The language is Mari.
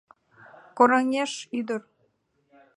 — Кораҥеш ӱдыр.